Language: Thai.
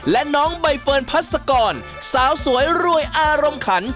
และน้องใบเฟิร์นพัศกรสาวสวยรวยอารมณ์ขัน